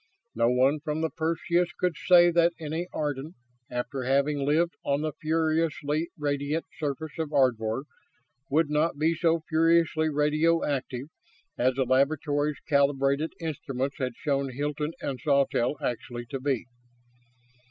No one from the Perseus could say that any Ardan, after having lived on the furiously radiant surface of Ardvor, would not be as furiously radioactive as the laboratory's calibrated instruments had shown Hilton and Sawtelle actually to be.